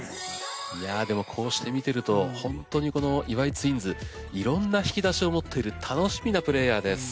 いやでもこうして見てるとほんとにこの岩井ツインズいろんな引き出しを持ってる楽しみなプレーヤーです。